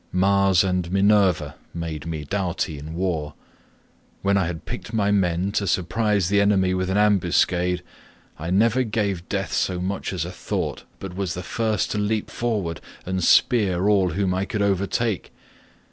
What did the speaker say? Mars and Minerva made me doughty in war; when I had picked my men to surprise the enemy with an ambuscade I never gave death so much as a thought, but was the first to leap forward and spear all whom I could overtake.